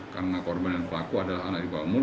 karena korban dan pelaku adalah anak di bawah umur